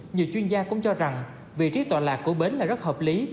nhiều chuyên gia cũng cho rằng vị trí tọa lạc của bến là rất hợp lý